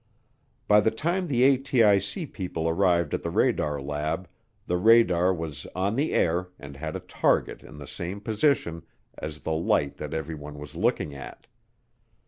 By the time the ATIC people arrived at the radar lab the radar was on the air and had a target in the same position as the light that everyone was looking at.